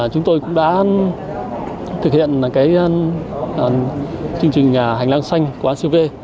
chúng tôi cũng đã thực hiện chương trình hành lang xanh của acv